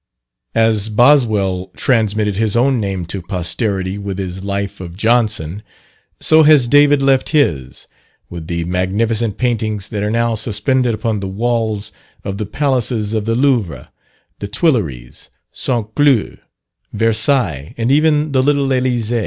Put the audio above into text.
As Boswell transmitted his own name to posterity with his life of Johnson, so has David left his, with the magnificent paintings that are now suspended upon the walls of the palaces of the Louvre, the Tuileries, St. Cloud, Versailles, and even the little Elysee.